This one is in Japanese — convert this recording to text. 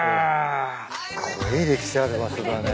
すごい歴史ある場所だね。